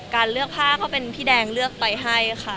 การเลือกผ้าก็เป็นพี่แดงเลือกไปให้ค่ะ